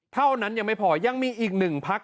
เท่านั้นยังไม่พอยังมีอีกหนึ่งพัก